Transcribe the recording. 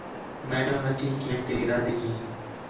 میڈم لٹھی کھیݨ تے ارادیک ہی